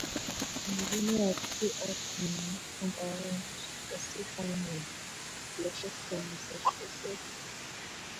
Millionaire grew up in and around the seaside town of Gloucester, Massachusetts.